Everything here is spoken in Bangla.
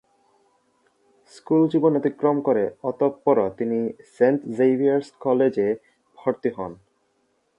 স্কুল জীবন অতিক্রম করে অতঃপর তিনি সেন্ট জেভিয়ার্স কলেজে ভর্তি হন।